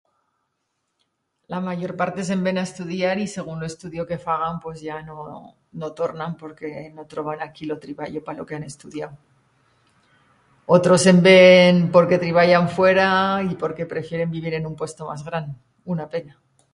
La mayor parte se'n ven a estudiar y segunt lo estudio que fagan pues ya, no, no tornan porque no troban aquí lo triballo pa lo que han estudiau. Otros se'n ven porque triballan fuera y porque prefieren vivir en un puesto mas gran. Una pena!